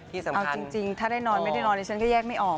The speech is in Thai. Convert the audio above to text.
เอาจริงถ้าได้นอนไม่ได้นอนดิฉันก็แยกไม่ออก